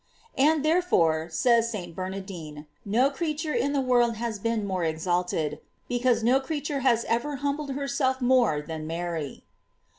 * And therefore, says St. Bernardine, no creature in the world has been more exalted, because no creature has ever humbled herself more than Mary.